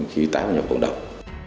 khi tái hòa nhập cộng đồng